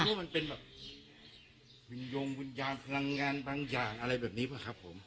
คิดว่ามันเป็นแบบวิญญาณพลังงานพลังงานอะไรแบบนี้ป่ะครับผม